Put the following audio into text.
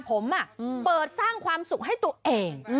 ผมเปิดสร้างความสุขให้ตัวเอง